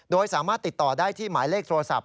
โดยสามารถติดต่อได้ที่หมายเลขโทรศัพท์